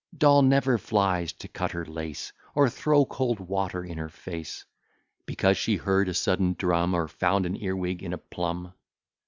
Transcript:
Doll never flies to cut her lace, Or throw cold water in her face, Because she heard a sudden drum, Or found an earwig in a plum.